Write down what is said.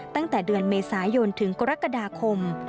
ตั้งแต่เดือนเมษายนถึงกรกฎาคม